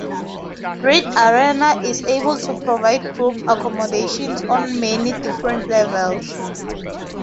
Reed Arena is able to provide group accommodations on many different levels.